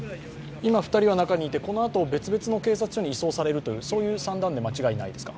今、２人は中にいて、このあと別々の警察署に移送されるという、そういう算段で間違いないですか。